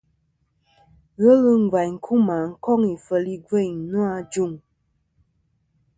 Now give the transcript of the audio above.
Ghelɨ ngvaynkuma koŋ ifel igveyn no.